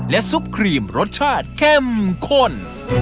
ซุปครีมรสชาติเข้มข้น